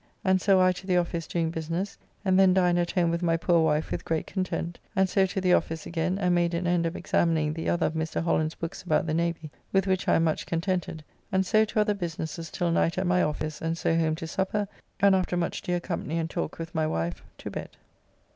And so I to the office doing business, and then dined at home with my poor wife with great content, and so to the office again and made an end of examining the other of Mr. Holland's books about the Navy, with which I am much contented, and so to other businesses till night at my office, and so home to supper, and after much dear company and talk with my wife, to bed.